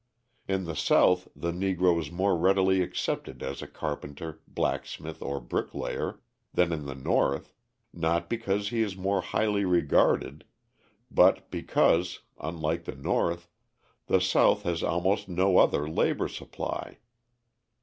In the South the Negro is more readily accepted as a carpenter, blacksmith, or bricklayer than in the North not because he is more highly regarded but because (unlike the North) the South has almost no other labour supply.